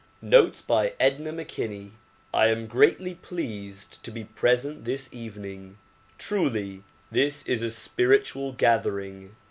Notes by Edna McKinney I AM greatly pleased to be present this evening. Truly this is a spiritual gathering.